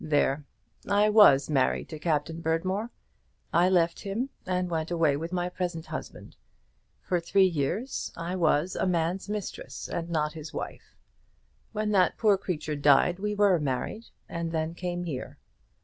There; I was married to Captain Berdmore. I left him, and went away with my present husband. For three years I was a man's mistress, and not his wife. When that poor creature died we were married, and then came here.